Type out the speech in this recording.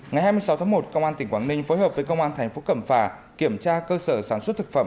ngày hai mươi sáu tháng một công an tỉnh quảng ninh phối hợp với công an thành phố cẩm phà kiểm tra cơ sở sản xuất thực phẩm